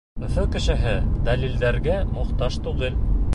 Өфө кешеһе дәлилдәргә мохтаж түгел.